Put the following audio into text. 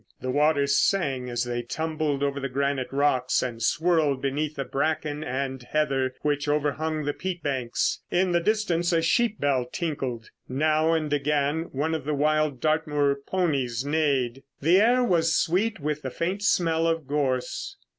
The waters sang as they tumbled over the granite rocks and swirled beneath the bracken and heather which overhung the peat banks. In the distance a sheep bell tinkled. Now and again one of the wild Dartmoor ponies neighed. The air was sweet with the faint smell of gorse.